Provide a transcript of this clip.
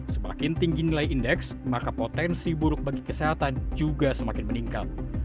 semakin tinggi nilai indeks maka potensi buruk bagi kesehatan juga semakin meningkat